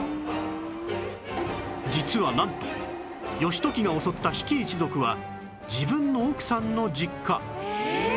実はなんと義時が襲った比企一族は自分の奥さんの実家